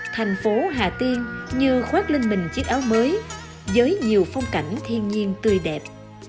thành phố hà tiên như khoát lên mình chiếc áo mới với nhiều phong cảnh thiên nhiên tươi đẹp